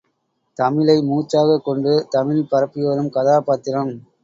தமிழை மூச்சாகக் கொண்டு தமிழ் பரப்பிவரும் கதாபாத்திரம்.